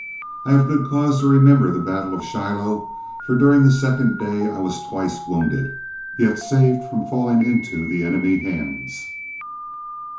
I have good cause to remember the battle of Shiloh, for during the second day I was twice wounded, yet saved from falling into the enemy's hands.